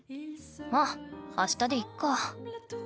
まあ明日でいっか。